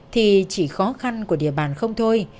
thì chỉ khó khăn của địa bàn không thôi